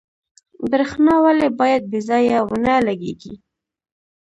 برښنا ولې باید بې ځایه ونه لګیږي؟